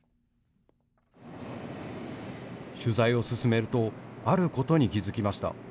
取材を進めるとあることに気付きました。